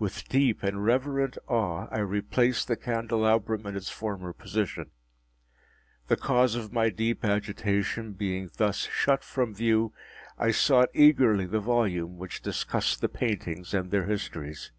With deep and reverent awe I replaced the candelabrum in its former position. The cause of my deep agitation being thus shut from view, I sought eagerly the volume which discussed the paintings and their histories.